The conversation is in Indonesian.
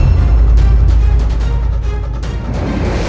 untuk menghentikan diri